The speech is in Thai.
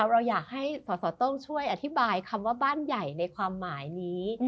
เราอยากให้สสต้งช่วยอธิบายคำว่าบ้านใหญ่ในความหมายนี้